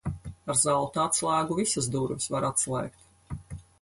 Ar zelta atslēgu visas durvis var atslēgt.